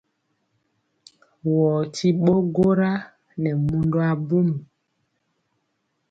Wɔɔ ti ɓo gwora nɛ mundɔ abum.